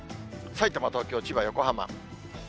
さいたま、東京、千葉、横浜。